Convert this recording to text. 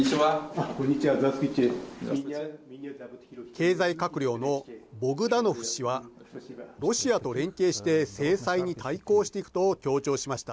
経済閣僚のボグダノフ氏はロシアと連携して制裁に対抗していくと強調しました。